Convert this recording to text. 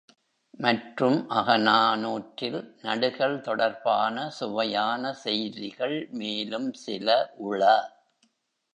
மற்றும், அகநானூற்றில் நடுகல்தொடர்பான சுவை யான செய்திகள் மேலும் சில உள.